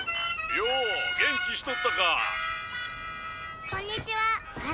「よお元気しとったか」